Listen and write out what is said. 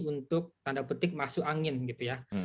untuk tanda petik masuk angin gitu ya